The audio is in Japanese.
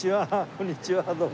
こんにちはどうも。